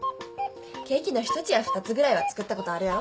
ケーキの１つや２つぐらいは作ったことあるやろ？